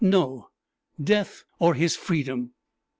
"No! death or his freedom."